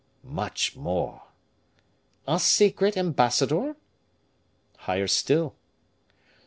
"Much more." "A secret ambassador?" "Higher still."